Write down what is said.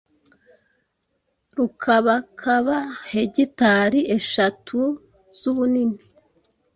rukabakaba hegitari eshatu z’ubunini,